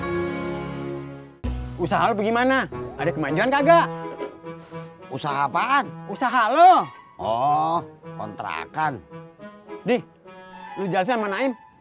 hai usahalo gimana ada kemanjuan kagak usaha apaan usaha lo oh kontrakan di lu jalan mana